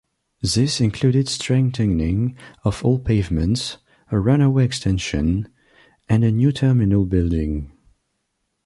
This included strengthening of all pavements, a runway extension, and a new terminal building.